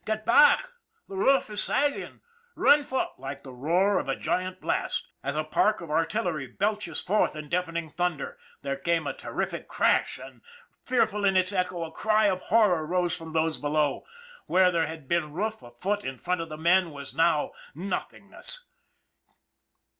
" Get back ! The roof is sagging ! Run for " Like the roar of a giant blast, as a park of artillery belches forth in deafening thunder, there came a ter rific crash and, fearful in its echo, a cry of horror rose from those below. Where there had been roof a foot in front of the men was now nothingness.